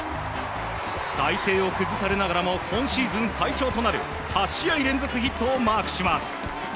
体勢を崩されながらも今シーズン最長となる８試合連続ヒットをマークします。